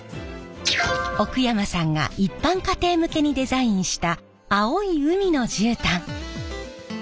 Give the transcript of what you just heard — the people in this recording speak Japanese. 奥山さんが一般家庭向けにデザインした青い海の絨毯。